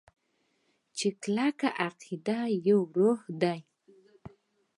چې کلکه عقیده يوه روحیه ده.